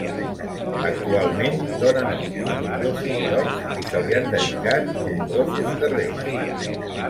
Actualment dóna nom a nombrosos llocs, i se li han dedicat nombrosos carrers.